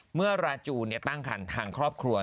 เมื่อราจูนตั้งคันทางครอบครัว